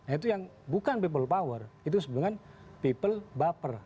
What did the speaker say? itu yang bukan people power itu sebenarnya people buper